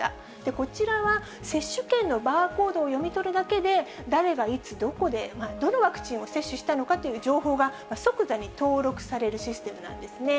こちらは、接種券のバーコードを読み取るだけで、誰がいつ、どこでどのワクチンを接種したのかという情報が、即座に登録されるシステムなんですね。